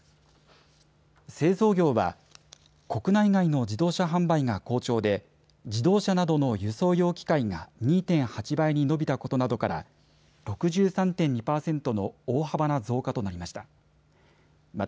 製造業は国内外の自動車販売が好調で自動車などの輸送用機械が２．８倍に伸びたことなどから６３．２％の大幅な増加となりました。